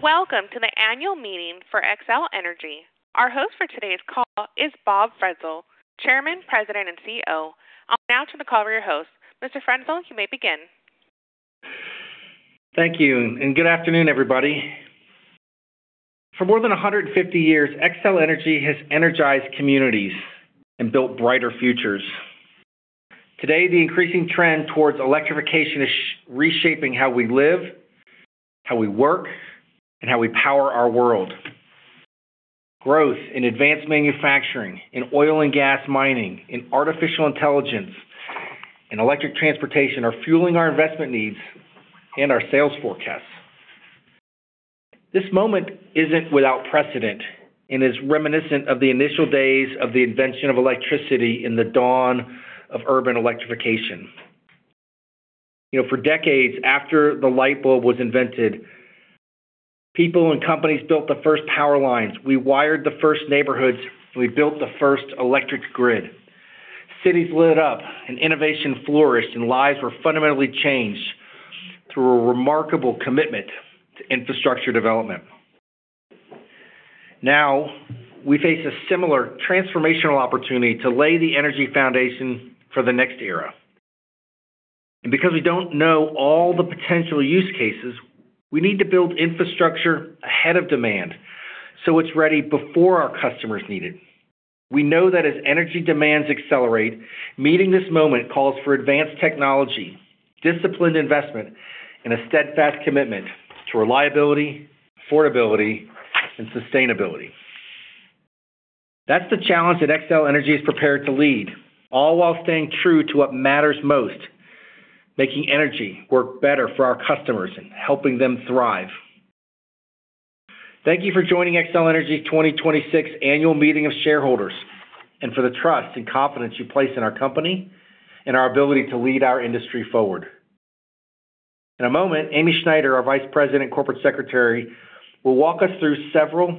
Welcome to the annual meeting for Xcel Energy. Our host for today's call is Bob Frenzel, Chairman, President, and CEO. I'll hand now to the call for your host. Mr. Frenzel, you may begin. Thank you, good afternoon, everybody. For more than 150 years, Xcel Energy has energized communities and built brighter futures. Today, the increasing trend towards electrification is reshaping how we live, how we work, and how we power our world. Growth in advanced manufacturing, in oil and gas mining, in artificial intelligence, and electric transportation are fueling our investment needs and our sales forecasts. This moment isn't without precedent and is reminiscent of the initial days of the invention of electricity and the dawn of urban electrification. For decades after the light bulb was invented, people and companies built the first power lines. We wired the first neighborhoods. We built the first electric grid. Cities lit up and innovation flourished, and lives were fundamentally changed through a remarkable commitment to infrastructure development. Now, we face a similar transformational opportunity to lay the energy foundation for the next era. Because we don't know all the potential use cases, we need to build infrastructure ahead of demand, so it's ready before our customers need it. We know that as energy demands accelerate, meeting this moment calls for advanced technology, disciplined investment, and a steadfast commitment to reliability, affordability, and sustainability. That's the challenge that Xcel Energy is prepared to lead, all while staying true to what matters most, making energy work better for our customers and helping them thrive. Thank you for joining Xcel Energy 2026 annual meeting of shareholders and for the trust and confidence you place in our company and our ability to lead our industry forward. In a moment, Amy Schneider, our Vice President and Corporate Secretary, will walk us through several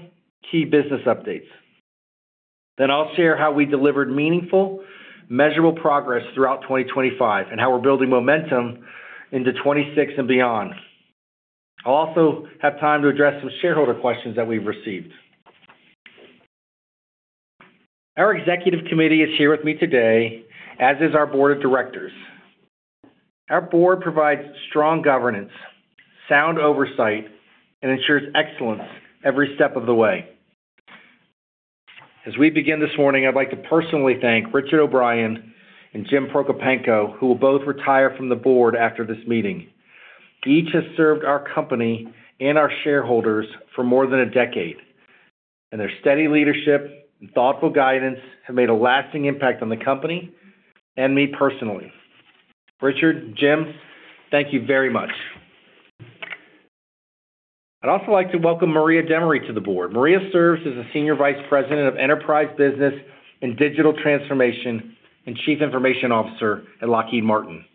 key business updates. I'll share how we delivered meaningful, measurable progress throughout 2025 and how we're building momentum into 2026 and beyond. I'll also have time to address some shareholder questions that we've received. Our executive committee is here with me today, as is our board of directors. Our board provides strong governance, sound oversight, and ensures excellence every step of the way. As we begin this morning, I'd like to personally thank Richard O'Brien and James Prokopanko, who will both retire from the board after this meeting. Each has served our company and our shareholders for more than a decade, and their steady leadership and thoughtful guidance have made a lasting impact on the company and me personally. Richard, Jim, thank you very much. I'd also like to welcome Maria Demaree to the board. Maria serves as the Senior Vice President of enterprise business and digital transformation and Chief Information Officer at Lockheed Martin.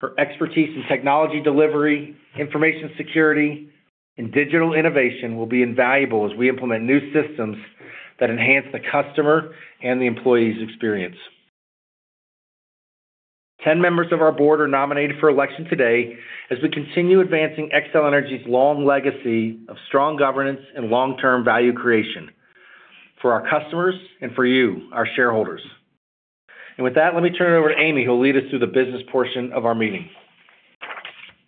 Her expertise in technology delivery, information security, and digital innovation will be invaluable as we implement new systems that enhance the customer and the employee's experience. 10 members of our board are nominated for election today as we continue advancing Xcel Energy's long legacy of strong governance and long-term value creation for our customers and for you, our shareholders. With that, let me turn it over to Amy, who will lead us through the business portion of our meeting.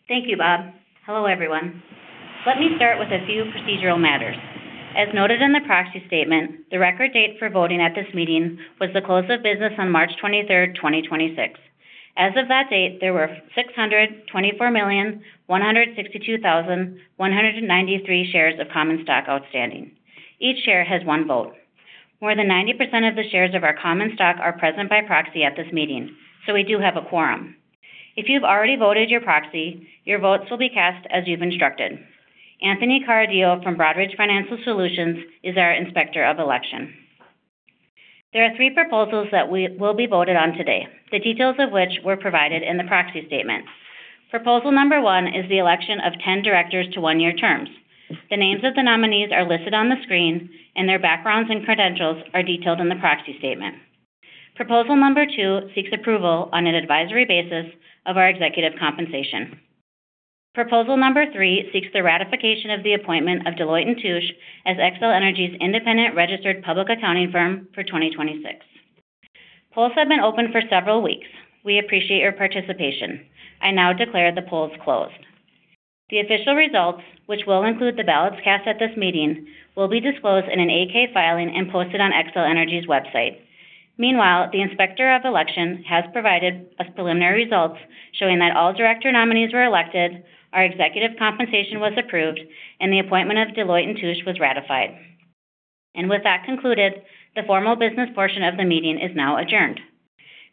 Thank you, Bob. Hello, everyone. Let me start with a few procedural matters. As noted in the proxy statement, the record date for voting at this meeting was the close of business on March 23rd, 2026. As of that date, there were 624,162,193 shares of common stock outstanding. Each share has one vote. More than 90% of the shares of our common stock are present by proxy at this meeting. We do have a quorum. If you've already voted your proxy, your votes will be cast as you've instructed. Anthony Cardillo from Broadridge Financial Solutions is our inspector of election. There are three proposals that will be voted on today, the details of which were provided in the proxy statement. Proposal number one is the election of 10 directors to one-year terms. The names of the nominees are listed on the screen, and their backgrounds and credentials are detailed in the proxy statement. Proposal number two seeks approval on an advisory basis of our executive compensation. Proposal number three seeks the ratification of the appointment of Deloitte & Touche as Xcel Energy's independent registered public accounting firm for 2026. Polls have been open for several weeks. We appreciate your participation. I now declare the polls closed. The official results, which will include the ballots cast at this meeting, will be disclosed in an 8-K filing and posted on Xcel Energy's website. Meanwhile, the Inspector of Election has provided us preliminary results showing that all director nominees were elected, our executive compensation was approved, and the appointment of Deloitte & Touche was ratified. With that concluded, the formal business portion of the meeting is now adjourned.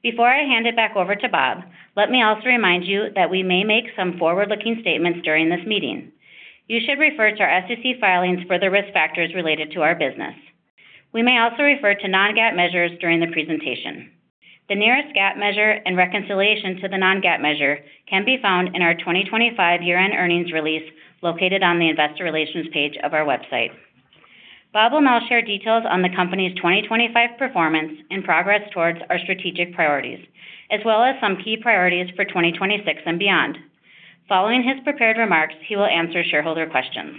Before I hand it back over to Bob, let me also remind you that we may make some forward-looking statements during this meeting. You should refer to our SEC filings for the risk factors related to our business. We may also refer to non-GAAP measures during the presentation. The nearest GAAP measure and reconciliation to the non-GAAP measure can be found in our 2025 year-end earnings release located on the investor relations page of our website. Bob will now share details on the company's 2025 performance and progress towards our strategic priorities, as well as some key priorities for 2026 and beyond. Following his prepared remarks, he will answer shareholder questions.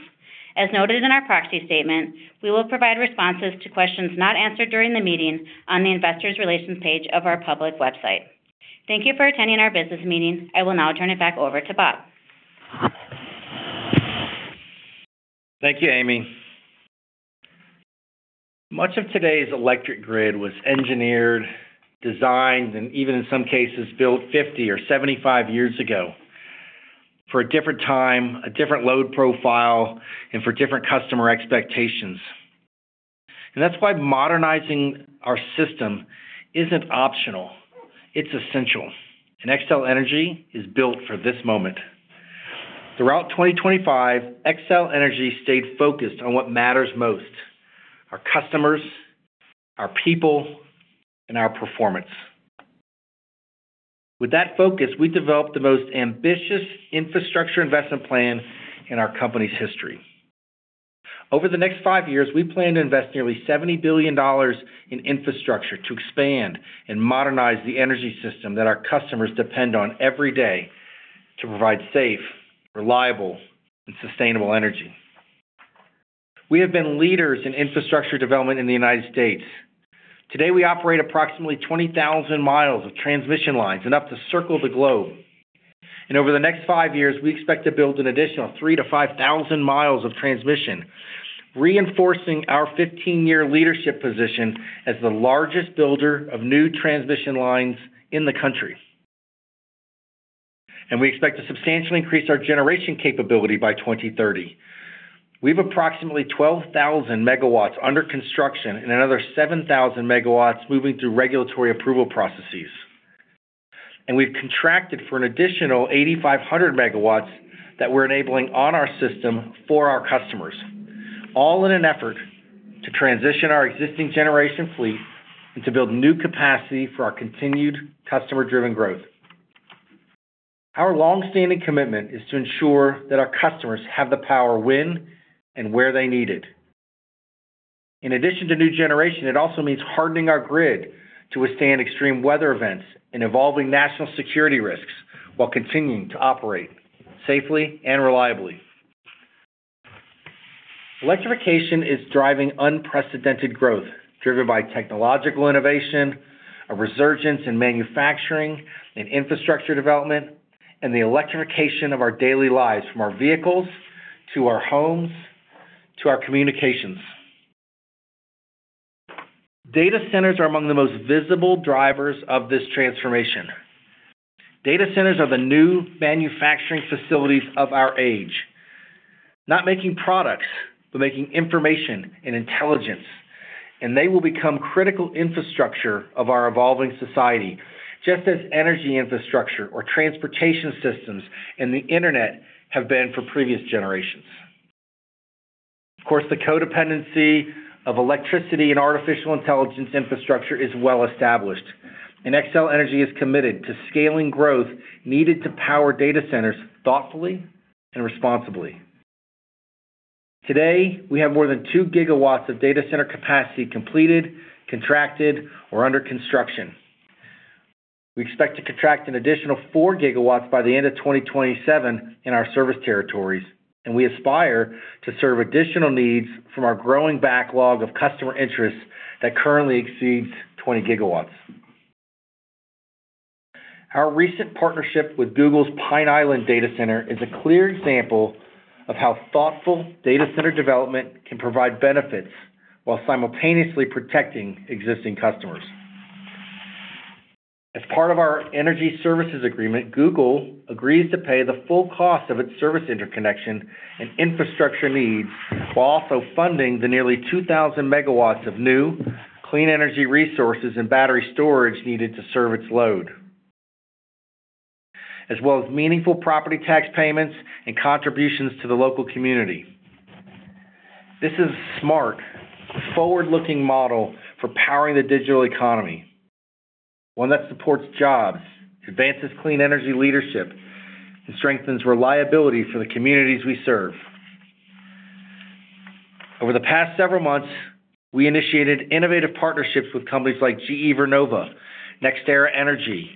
As noted in our proxy statement, we will provide responses to questions not answered during the meeting on the investor relations page of our public website. Thank you for attending our business meeting. I will now turn it back over to Bob. Thank you, Amy. Much of today's electric grid was engineered, designed, and even in some cases, built 50 or 75 years ago for a different time, a different load profile, and for different customer expectations. That's why modernizing our system isn't optional. It's essential, Xcel Energy is built for this moment. Throughout 2025, Xcel Energy stayed focused on what matters most: our customers, our people, and our performance. With that focus, we developed the most ambitious infrastructure investment plan in our company's history. Over the next five years, we plan to invest nearly $70 billion in infrastructure to expand and modernize the energy system that our customers depend on every day to provide safe, reliable, and sustainable energy. We have been leaders in infrastructure development in the U.S. Today, we operate approximately 20,000 mi of transmission lines, enough to circle the globe. Over the next five years, we expect to build an additional 3,000-5,000 miles of transmission, reinforcing our 15-year leadership position as the largest builder of new transmission lines in the country. We expect to substantially increase our generation capability by 2030. We've approximately 12,000 MW under construction and another 7,000 MW moving through regulatory approval processes. We've contracted for an additional 8,500 MW that we're enabling on our system for our customers, all in an effort to transition our existing generation fleet and to build new capacity for our continued customer-driven growth. Our longstanding commitment is to ensure that our customers have the power when and where they need it. In addition to new generation, it also means hardening our grid to withstand extreme weather events and evolving national security risks while continuing to operate safely and reliably. Electrification is driving unprecedented growth, driven by technological innovation, a resurgence in manufacturing and infrastructure development, and the electrification of our daily lives, from our vehicles to our homes to our communications. Data centers are among the most visible drivers of this transformation. Data centers are the new manufacturing facilities of our age, not making products, but making information and intelligence, and they will become critical infrastructure of our evolving society, just as energy infrastructure or transportation systems and the internet have been for previous generations. Of course, the codependency of electricity and artificial intelligence infrastructure is well established, and Xcel Energy is committed to scaling growth needed to power data centers thoughtfully and responsibly. Today, we have more than 2 GW of data center capacity completed, contracted, or under construction. We expect to contract an additional 4 GW by the end of 2027 in our service territories, and we aspire to serve additional needs from our growing backlog of customer interests that currently exceeds 20 GW. Our recent partnership with Google's Pine Island Data Center is a clear example of how thoughtful data center development can provide benefits while simultaneously protecting existing customers. As part of our energy services agreement, Google agrees to pay the full cost of its service interconnection and infrastructure needs while also funding the nearly 2,000 MW of new clean energy resources and battery storage needed to serve its load, as well as meaningful property tax payments and contributions to the local community. This is a smart, forward-looking model for powering the digital economy, one that supports jobs, advances clean energy leadership, and strengthens reliability for the communities we serve. Over the past several months, we initiated innovative partnerships with companies like GE Vernova, NextEra Energy,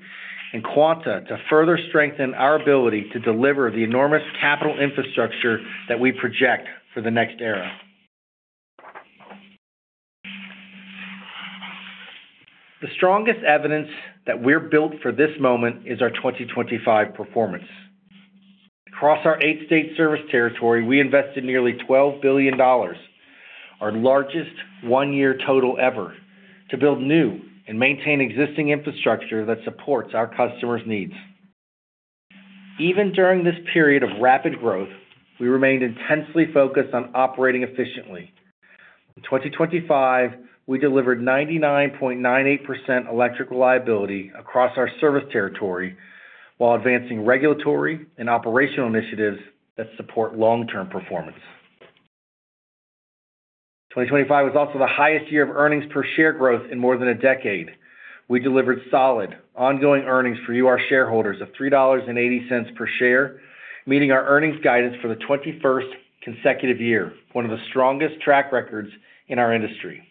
and Quanta to further strengthen our ability to deliver the enormous capital infrastructure that we project for the next era. The strongest evidence that we're built for this moment is our 2025 performance. Across our eight-state service territory, we invested nearly $12 billion, our largest one-year total ever, to build new and maintain existing infrastructure that supports our customers' needs. Even during this period of rapid growth, we remained intensely focused on operating efficiently. In 2025, we delivered 99.98% electric reliability across our service territory while advancing regulatory and operational initiatives that support long-term performance. 2025 was also the highest year of earnings per share growth in more than a decade. We delivered solid, ongoing earnings for you, our shareholders, of $3.80 per share, meeting our earnings guidance for the 21st consecutive year, one of the strongest track records in our industry.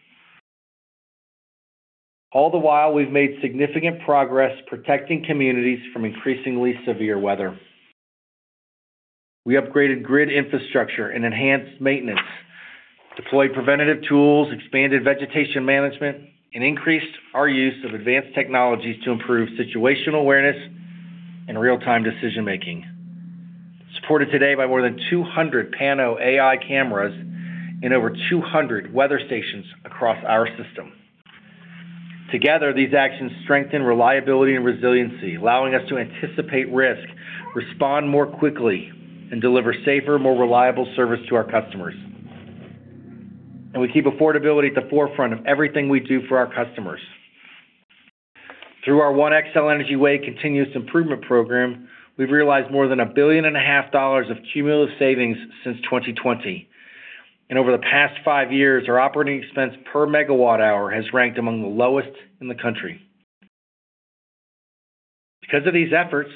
All the while, we've made significant progress protecting communities from increasingly severe weather. We upgraded grid infrastructure and enhanced maintenance, deployed preventative tools, expanded vegetation management, and increased our use of advanced technologies to improve situational awareness and real-time decision-making. Supported today by more than 200 Pano AI cameras and over 200 weather stations across our system. Together, these actions strengthen reliability and resiliency, allowing us to anticipate risk, respond more quickly, and deliver safer, more reliable service to our customers. We keep affordability at the forefront of everything we do for our customers. Through our One Xcel Energy Way continuous improvement program, we've realized more than $1.5 billion of cumulative savings since 2020. Over the past five years, our operating expense per megawatt hour has ranked among the lowest in the country. Because of these efforts,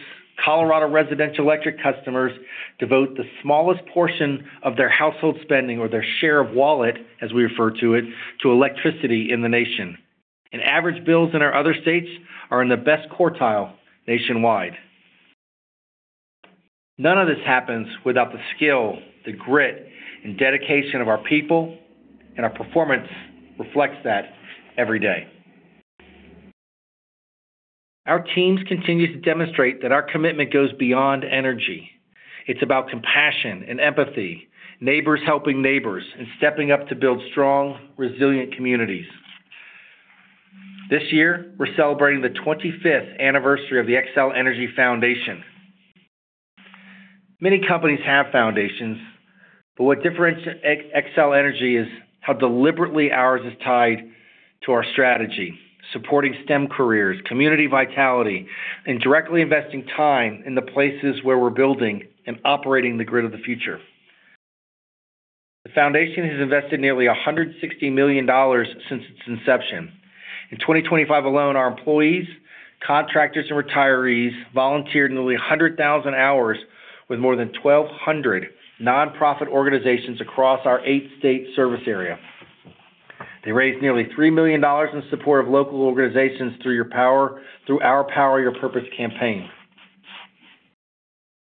Colorado residential electric customers devote the smallest portion of their household spending or their share of wallet, as we refer to it, to electricity in the nation. Average bills in our other states are in the best quartile nationwide. None of this happens without the skill, the grit, and dedication of our people, and our performance reflects that every day. Our teams continue to demonstrate that our commitment goes beyond energy. It's about compassion and empathy, neighbors helping neighbors, and stepping up to build strong, resilient communities. This year, we're celebrating the 25th anniversary of the Xcel Energy Foundation. Many companies have foundations, but what differentiates Xcel Energy is how deliberately ours is tied to our strategy: supporting STEM careers, community vitality, and directly investing time in the places where we're building and operating the grid of the future. The foundation has invested nearly $160 million since its inception. In 2025 alone, our employees, contractors, and retirees volunteered nearly 100,000 hours with more than 1,200 nonprofit organizations across our eight-state service area. They raised nearly $3 million in support of local organizations through our Power Your Purpose campaign.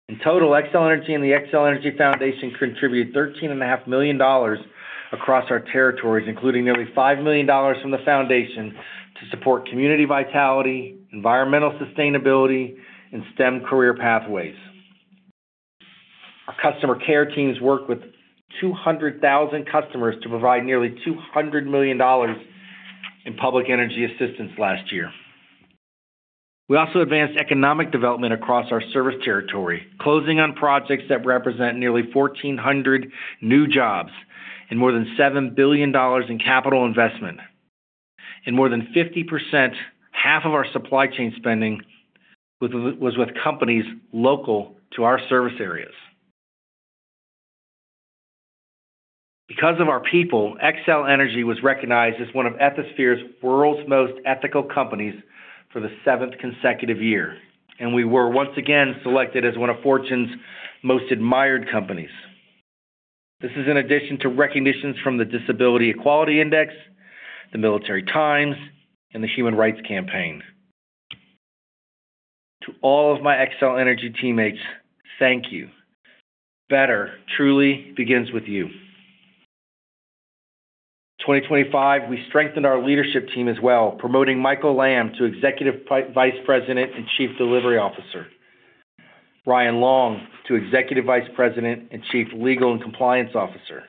In total, Xcel Energy and the Xcel Energy Foundation contributed $13.5 million across our territories, including nearly $5 million from the foundation to support community vitality, environmental sustainability, and STEM career pathways. Our customer care teams worked with 200,000 customers to provide nearly $200 million in public energy assistance last year. We also advanced economic development across our service territory, closing on projects that represent nearly 1,400 new jobs and more than $7 billion in capital investment. More than 50%, half of our supply chain spending, was with companies local to our service areas. Because of our people, Xcel Energy was recognized as one of Ethisphere's World's Most Ethical Companies for the seventh consecutive year, and we were once again selected as one of Fortune's Most Admired Companies. This is in addition to recognitions from the Disability Equality Index, the Military Times, and the Human Rights Campaign. To all of my Xcel Energy teammates, thank you. Better truly begins with you. 2025, we strengthened our leadership team as well, promoting Michael Lamb to Executive Vice President and Chief Delivery Officer, Ryan Long to Executive Vice President and Chief Legal and Compliance Officer,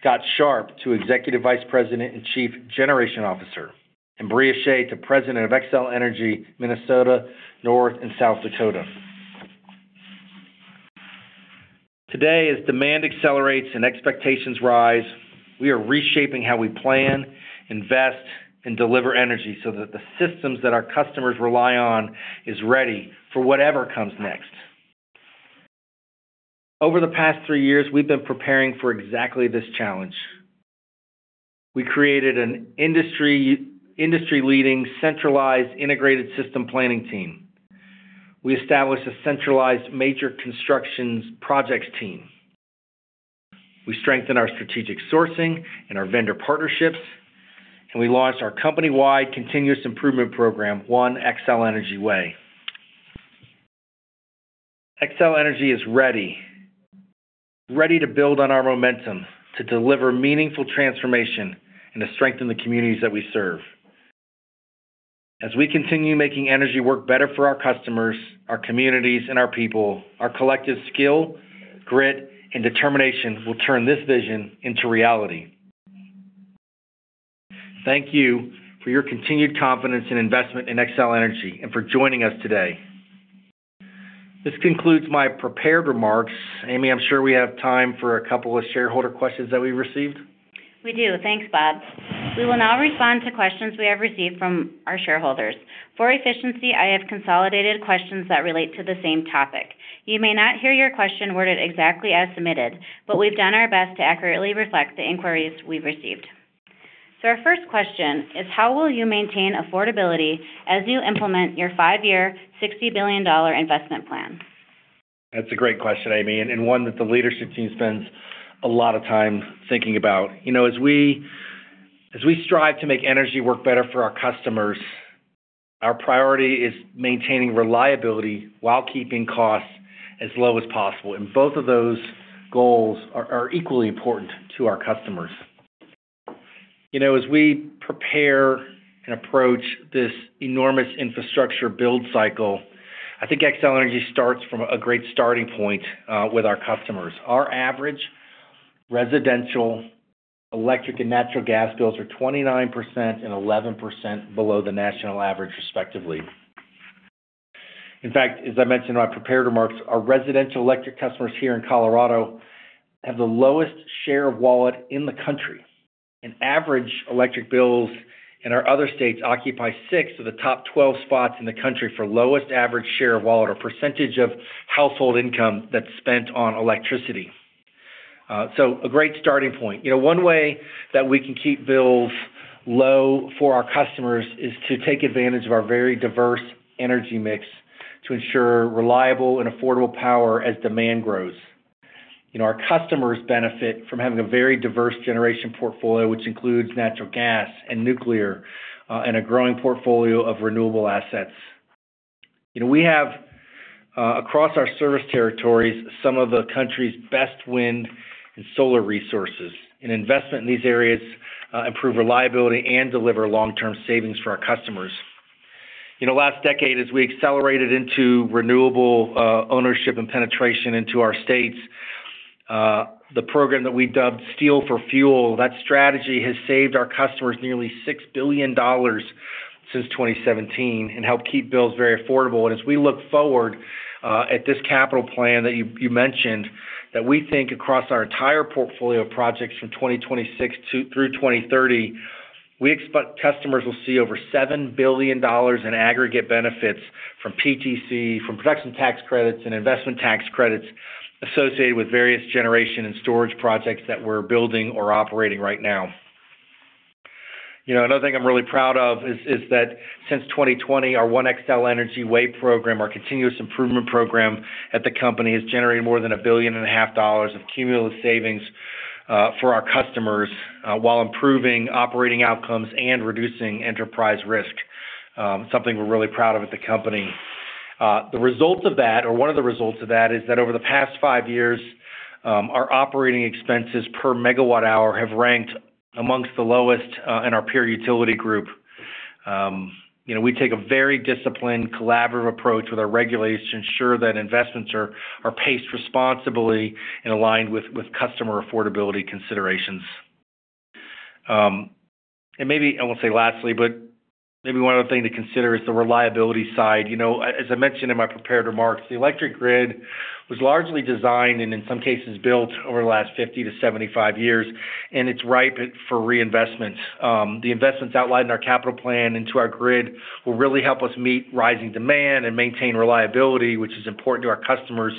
Scott Sharp to Executive Vice President and Chief Generation Officer, and Bria Shea to President of Xcel Energy, Minnesota, North Dakota and South Dakota. Today, as demand accelerates and expectations rise, we are reshaping how we plan, invest, and deliver energy so that the systems that our customers rely on is ready for whatever comes next. Over the past three years, we've been preparing for exactly this challenge. We created an industry-leading, centralized, integrated system planning team. We established a centralized major constructions projects team. We strengthened our strategic sourcing and our vendor partnerships, and we launched our company-wide continuous improvement program, One Xcel Energy Way. Xcel Energy is ready. Ready to build on our momentum, to deliver meaningful transformation, and to strengthen the communities that we serve. As we continue making energy work better for our customers, our communities, and our people, our collective skill, grit, and determination will turn this vision into reality. Thank you for your continued confidence and investment in Xcel Energy and for joining us today. This concludes my prepared remarks. Amy, I'm sure we have time for a couple of shareholder questions that we received. We do. Thanks, Bob. We will now respond to questions we have received from our shareholders. For efficiency, I have consolidated questions that relate to the same topic. You may not hear your question worded exactly as submitted, but we've done our best to accurately reflect the inquiries we've received. Our first question is: how will you maintain affordability as you implement your five-year $60 billion investment plan? That's a great question, Amy, and one that the leadership team spends a lot of time thinking about. As we strive to make energy work better for our customers, our priority is maintaining reliability while keeping costs as low as possible. Both of those goals are equally important to our customers. As we prepare and approach this enormous infrastructure build cycle, I think Xcel Energy starts from a great starting point with our customers. Our average residential electric and natural gas bills are 29% and 11% below the national average, respectively. In fact, as I mentioned in my prepared remarks, our residential electric customers here in Colorado have the lowest share of wallet in the country. Average electric bills in our other states occupy six of the top 12 spots in the country for lowest average share of wallet or percentage of household income that's spent on electricity. A great starting point. One way that we can keep bills low for our customers is to take advantage of our very diverse energy mix to ensure reliable and affordable power as demand grows. Our customers benefit from having a very diverse generation portfolio, which includes natural gas and nuclear, and a growing portfolio of renewable assets. We have, across our service territories, some of the country's best wind and solar resources. Investment in these areas improve reliability and deliver long-term savings for our customers. Last decade, as we accelerated into renewable ownership and penetration into our states, the program that we dubbed Steel for Fuel, that strategy has saved our customers nearly $6 billion since 2017 and helped keep bills very affordable. As we look forward at this capital plan that you mentioned, that we think across our entire portfolio of projects from 2026 through 2030, we expect customers will see over $7 billion in aggregate benefits from PTC, from production tax credits and investment tax credits associated with various generation and storage projects that we're building or operating right now. Another thing I'm really proud of is that since 2020, our One Xcel Energy Way program, our continuous improvement program at the company, has generated more than $1.5 billion of cumulative savings for our customers while improving operating outcomes and reducing enterprise risk. Something we're really proud of at the company. The result of that, or one of the results of that, is that over the past five years, our operating expenses per megawatt hour have ranked amongst the lowest in our peer utility group. We take a very disciplined, collaborative approach with our regulators to ensure that investments are paced responsibly and aligned with customer affordability considerations. Maybe, I won't say lastly, but maybe 1 other thing to consider is the reliability side. As I mentioned in my prepared remarks, the electric grid was largely designed, and in some cases, built over the last 50 to 75 years, and it's ripe for reinvestment. The investments outlined in our capital plan into our grid will really help us meet rising demand and maintain reliability, which is important to our customers,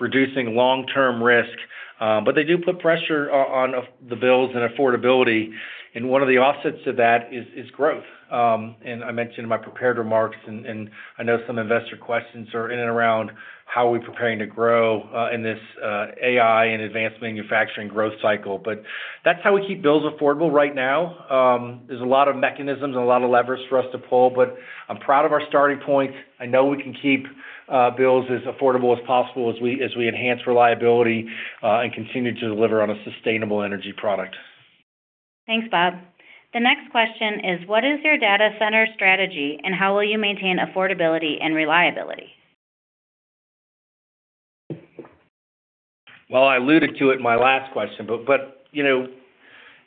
reducing long-term risk. They do put pressure on the bills and affordability, 1 of the offsets of that is growth. I mentioned in my prepared remarks, I know some investor questions are in and around how are we preparing to grow in this AI and advanced manufacturing growth cycle. That's how we keep bills affordable right now. There's a lot of mechanisms and a lot of levers for us to pull, but I'm proud of our starting point. I know we can keep bills as affordable as possible as we enhance reliability and continue to deliver on a sustainable energy product. Thanks, Bob. The next question is: What is your data center strategy, and how will you maintain affordability and reliability? I alluded to it in my last question.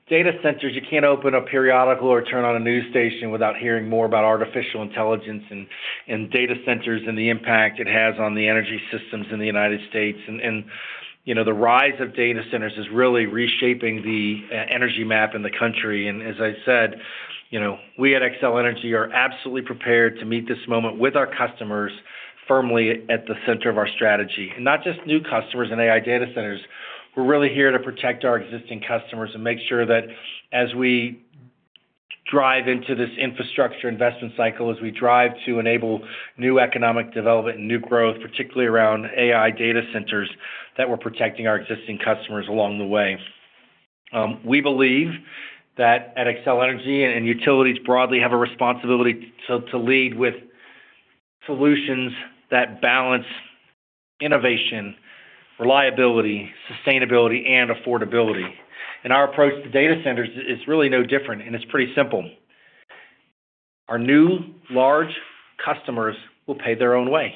Data centers, you can't open a periodical or turn on a news station without hearing more about artificial intelligence and data centers and the impact it has on the energy systems in the U.S. The rise of data centers is really reshaping the energy map in the country. As I said, we at Xcel Energy are absolutely prepared to meet this moment with our customers firmly at the center of our strategy. Not just new customers and AI data centers. We're really here to protect our existing customers and make sure that as we drive into this infrastructure investment cycle, as we drive to enable new economic development and new growth, particularly around AI data centers, that we're protecting our existing customers along the way. We believe that at Xcel Energy, and utilities broadly, have a responsibility to lead with solutions that balance innovation, reliability, sustainability, and affordability. Our approach to data centers is really no different, and it's pretty simple. Our new large customers will pay their own way,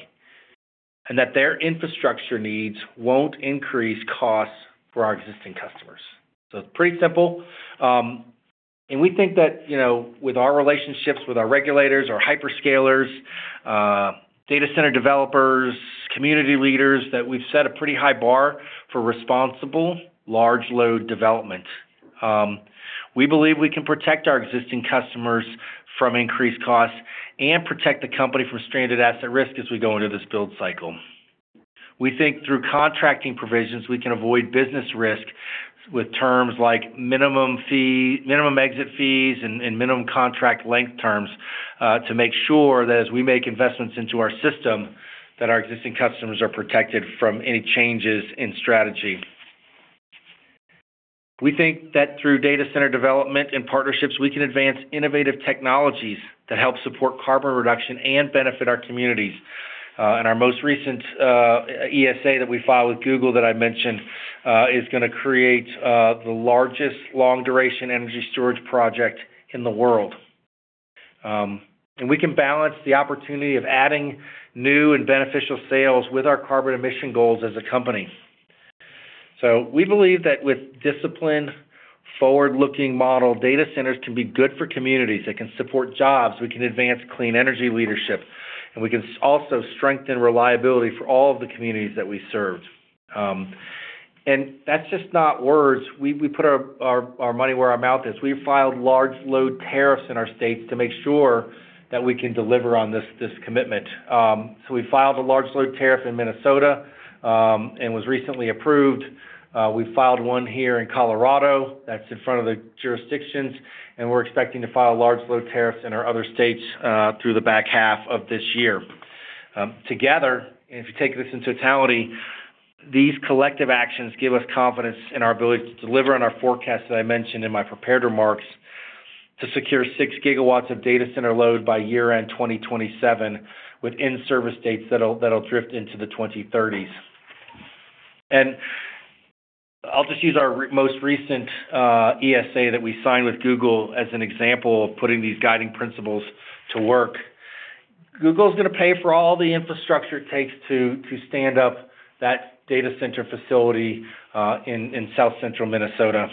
and that their infrastructure needs won't increase costs for our existing customers. It's pretty simple. We think that with our relationships with our regulators, our hyperscalers, data center developers, community leaders, that we've set a pretty high bar for responsible large load development. We believe we can protect our existing customers from increased costs and protect the company from stranded asset risk as we go into this build cycle. We think through contracting provisions, we can avoid business risk. With terms like minimum exit fees and minimum contract length terms to make sure that as we make investments into our system, that our existing customers are protected from any changes in strategy. We think that through data center development and partnerships, we can advance innovative technologies to help support carbon reduction and benefit our communities. Our most recent ESA that we filed with Google that I mentioned, is going to create the largest long duration energy storage project in the world. We can balance the opportunity of adding new and beneficial sales with our carbon emission goals as a company. We believe that with disciplined, forward-looking model, data centers can be good for communities. They can support jobs. We can advance clean energy leadership. We can also strengthen reliability for all of the communities that we serve. That's just not words. We put our money where our mouth is. We've filed large load tariffs in our states to make sure that we can deliver on this commitment. We filed a large load tariff in Minnesota, and was recently approved. We filed one here in Colorado, that's in front of the jurisdictions, and we're expecting to file large load tariffs in our other states through the back half of this year. Together, and if you take this in totality, these collective actions give us confidence in our ability to deliver on our forecast, as I mentioned in my prepared remarks, to secure 6 GW of data center load by year-end 2027 with in-service dates that'll drift into the 2030s. I'll just use our most recent ESA that we signed with Google as an example of putting these guiding principles to work. Google's going to pay for all the infrastructure it takes to stand up that data center facility in South Central Minnesota.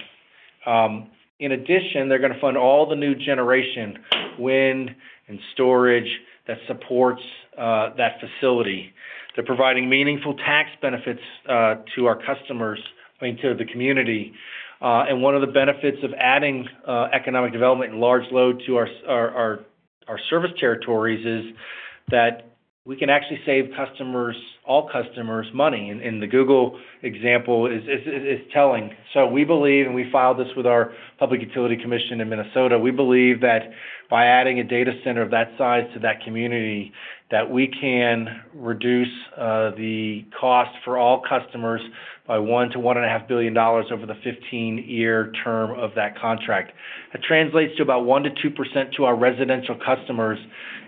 In addition, they're going to fund all the new generation, wind and storage, that supports that facility. They're providing meaningful tax benefits to our customers, I mean, to the community. One of the benefits of adding economic development and large load to our service territories is that we can actually save all customers money. The Google example is telling. We believe, and we filed this with our Minnesota Public Utilities Commission, we believe that by adding a data center of that size to that community, that we can reduce the cost for all customers by $1 billion-$1.5 billion over the 15-year term of that contract. That translates to about 1%-2% to our residential customers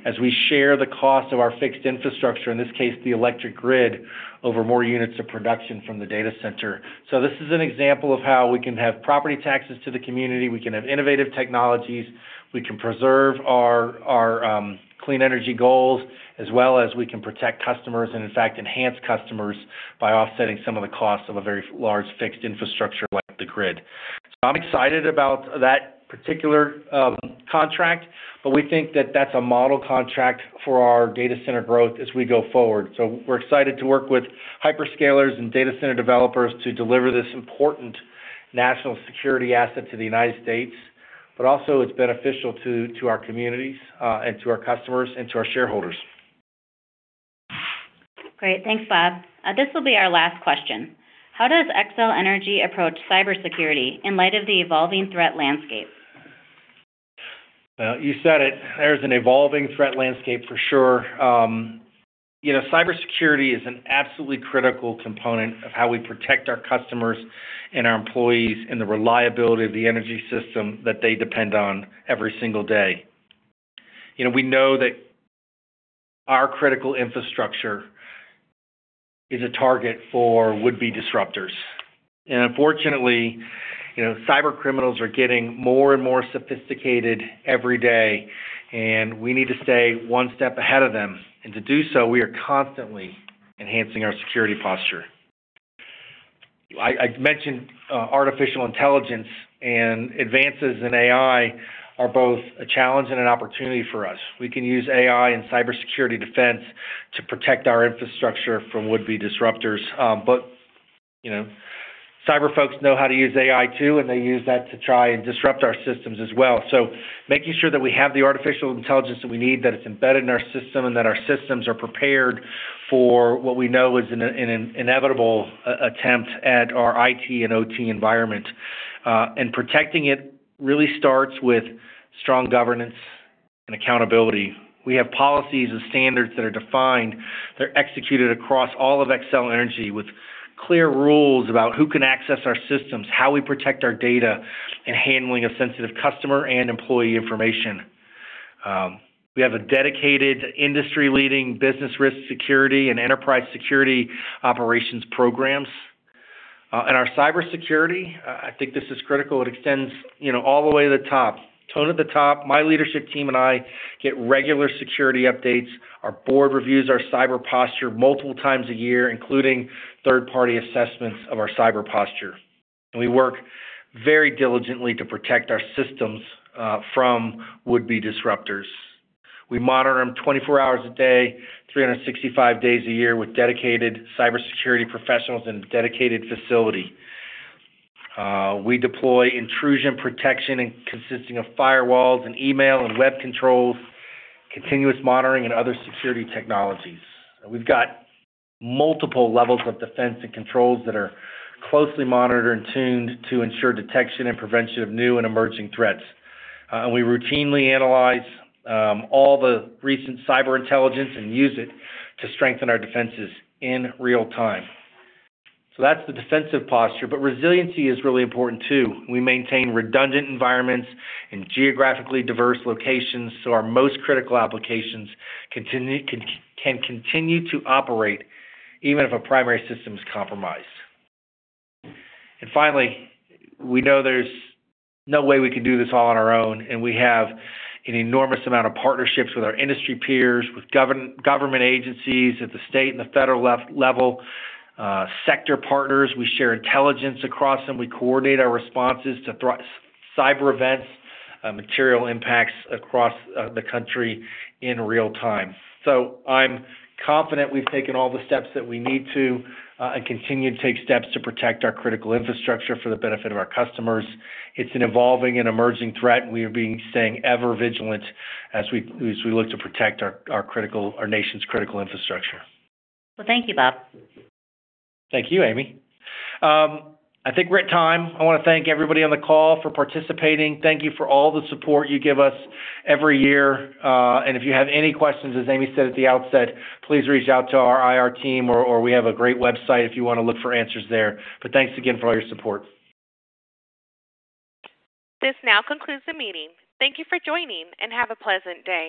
as we share the cost of our fixed infrastructure, in this case, the electric grid, over more units of production from the data center. This is an example of how we can have property taxes to the community, we can have innovative technologies, we can preserve our clean energy goals, as well as we can protect customers, and in fact, enhance customers by offsetting some of the costs of a very large fixed infrastructure like the grid. I'm excited about that particular contract, but we think that that's a model contract for our data center growth as we go forward. We're excited to work with hyperscalers and data center developers to deliver this important national security asset to the United States, but also it's beneficial to our communities, and to our customers, and to our shareholders. Great. Thanks, Bob. This will be our last question. How does Xcel Energy approach cybersecurity in light of the evolving threat landscape? Well, you said it. There's an evolving threat landscape for sure. Cybersecurity is an absolutely critical component of how we protect our customers and our employees and the reliability of the energy system that they depend on every single day. We know that our critical infrastructure is a target for would-be disruptors. Unfortunately, cyber criminals are getting more and more sophisticated every day, and we need to stay one step ahead of them. To do so, we are constantly enhancing our security posture. I mentioned artificial intelligence, advances in AI are both a challenge and an opportunity for us. We can use AI and cybersecurity defense to protect our infrastructure from would-be disruptors. Cyber folks know how to use AI, too, and they use that to try and disrupt our systems as well. Making sure that we have the artificial intelligence that we need, that it's embedded in our system, and that our systems are prepared for what we know is an inevitable attempt at our IT and OT environment. Protecting it really starts with strong governance and accountability. We have policies and standards that are defined. They're executed across all of Xcel Energy with clear rules about who can access our systems, how we protect our data, and handling of sensitive customer and employee information. We have a dedicated industry-leading business risk security and enterprise security operations programs. Our cybersecurity, I think this is critical, it extends all the way to the top. Tone at the top. My leadership team and I get regular security updates. Our board reviews our cyber posture multiple times a year, including third-party assessments of our cyber posture. We work very diligently to protect our systems from would-be disruptors. We monitor them 24 hours a day, 365 days a year, with dedicated cybersecurity professionals in a dedicated facility. We deploy intrusion protection consisting of firewalls and email and web controls, continuous monitoring, and other security technologies. We've got multiple levels of defense and controls that are closely monitored and tuned to ensure detection and prevention of new and emerging threats. We routinely analyze all the recent cyber intelligence and use it to strengthen our defenses in real time. That's the defensive posture, but resiliency is really important, too. We maintain redundant environments in geographically diverse locations, so our most critical applications can continue to operate even if a primary system is compromised. Finally, we know there's no way we can do this all on our own, and we have an enormous amount of partnerships with our industry peers, with government agencies at the state and the federal level, sector partners. We share intelligence across them. We coordinate our responses to cyber events, material impacts across the country in real time. I'm confident we've taken all the steps that we need to and continue to take steps to protect our critical infrastructure for the benefit of our customers. It's an evolving and emerging threat, and we are staying ever vigilant as we look to protect our nation's critical infrastructure. Well, thank you, Bob. Thank you, Amy. I think we're at time. I want to thank everybody on the call for participating. Thank you for all the support you give us every year. If you have any questions, as Amy said at the outset, please reach out to our IR team, or we have a great website if you want to look for answers there. Thanks again for all your support. This now concludes the meeting. Thank you for joining, and have a pleasant day.